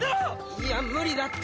いや無理だって！